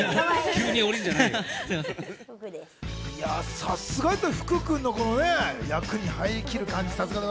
さすがっすね、福君の役に入りきる感じ。